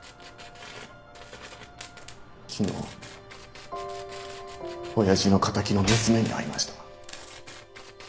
昨日親父の敵の娘に会いました。